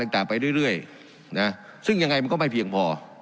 ต่างไปเรื่อยนะซึ่งยังไงมันก็ไม่เพียงพอ